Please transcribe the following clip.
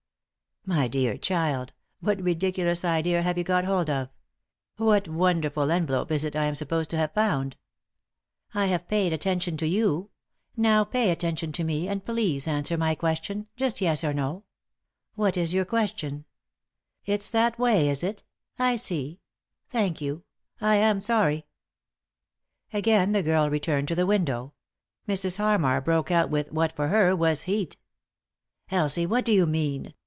"My dear child, what ridiculous idea have you got hold of? What wonderful envelope is it I am supposed to have found ?"" I have paid attention to you ; now pay attention to me, and please answer my question — just yes or no." 153 3i 9 iii^d by Google THE INTERRUPTED KISS " What is your question ?"" It's that way, is it ?— I see. Thank you— I am sony," Again the girl returned to the window. Mrs. Hannar broke out with what, for her, was heat. " Elsie, what do you mean